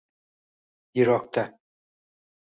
Yirokda